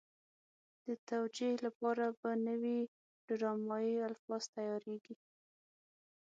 د توجیه لپاره به نوي ډرامایي الفاظ تیارېږي.